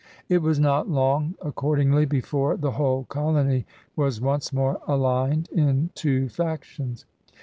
It was not long, accordingly, before the whole colony was once more aligned in two factions.